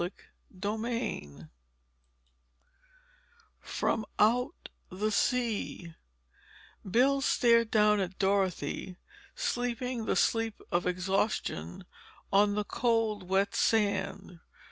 Chapter XI FROM OUT THE SEA Bill stared down at Dorothy sleeping the sleep of exhaustion on the cold, wet sand.